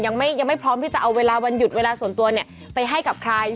ยังไม่พร้อมที่จะเอาเวลาวันหยุดเวลาส่วนตัวเนี่ยไปให้กับใคร